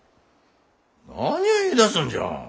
何ゅう言いだすんじゃ。